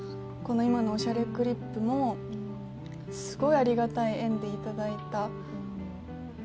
今の『おしゃれクリップ』もすごいありがたい縁で頂いた。